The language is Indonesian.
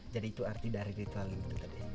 jadi itu arti dari ritual itu tadi